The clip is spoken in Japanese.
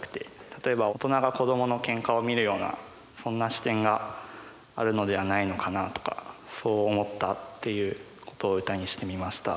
例えば大人が子どものけんかを見るようなそんな視点があるのではないのかなとかそう思ったっていうことを歌にしてみました。